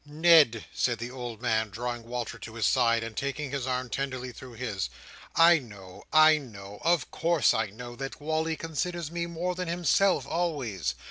"Ned," said the old man, drawing Walter to his side, and taking his arm tenderly through his, "I know. I know. Of course I know that Wally considers me more than himself always.